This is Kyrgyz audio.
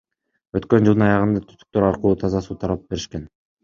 Өткөн жылдын аягында түтүктөр аркылуу таза суу тартып беришкен.